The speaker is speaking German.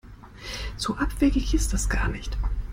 So abwegig ist das gar nicht.